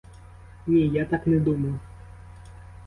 Ні, я так не думав!